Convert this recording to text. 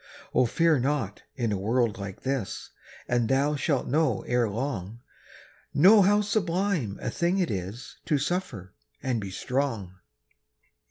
Oh, fear not in a world like this, And thou shalt know ere long, Know how sublime a thing it is To suffer and be strong.